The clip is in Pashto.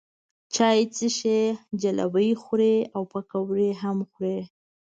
چای څښي، ځلوبۍ خوري او پیکوړې هم خوري.